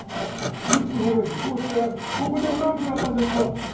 息子のね康介はここでおらんくなったんですわ